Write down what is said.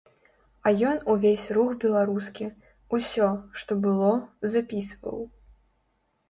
А ён увесь рух беларускі, усё, што было, запісваў.